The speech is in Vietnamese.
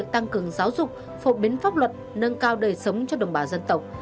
tăng cường giáo dục phổ biến pháp luật nâng cao đời sống cho đồng bào dân tộc